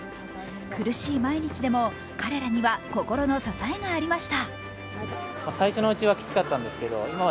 苦しい毎日でも、彼らには心の支えがありました。